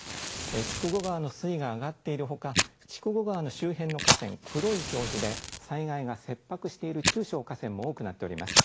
筑後川の水位が上がっているほか、筑後川の周辺の河川、黒い表示で災害が切迫している中小河川も多くなっております。